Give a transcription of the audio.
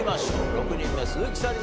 ６人目鈴木紗理奈さん